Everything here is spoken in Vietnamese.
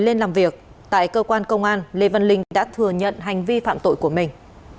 lên làm việc tại cơ quan công an lê văn linh đã thừa nhận hành vi phạm tội của mình